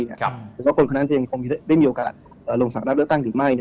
หรือว่าคนคนนั้นจะยังคงได้มีโอกาสลงสั่งรับเลือกตั้งหรือไม่